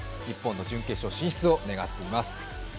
日本の準決勝進出を願っています。